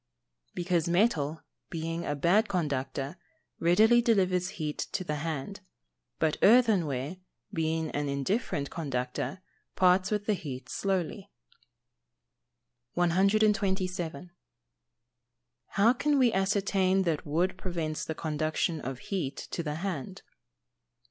_ Because metal, being a good conductor, readily delivers heat to the hand; but earthenware, being an indifferent conductor, parts with the heat slowly. 127. _How can we ascertain that wood prevents the conduction of heat to the hand?